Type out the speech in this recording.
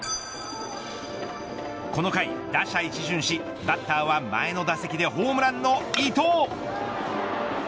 この回、打者一巡しバッターは前の打席でホームランの伊藤。